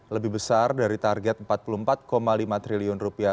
lebih besar dari target empat puluh empat lima triliun rupiah